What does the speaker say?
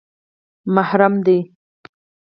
_محرم دي؟